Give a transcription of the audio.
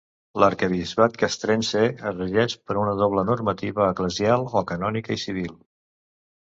L'Arquebisbat Castrense es regeix per una doble normativa: eclesial o canònica i civil.